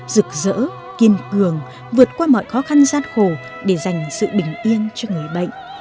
rực rỡ kiên cường vượt qua mọi khó khăn gian khổ để dành sự bình yên cho người bệnh